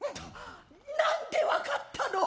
何で分かったの？